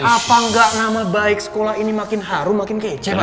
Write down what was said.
apa enggak nama baik sekolah ini makin harum makin kece